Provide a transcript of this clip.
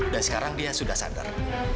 dan sekarang dia sudah sadar